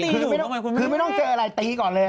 ตีหนึ่งหรอคุณแม่คือไม่ต้องเจออะไรตีก่อนเลย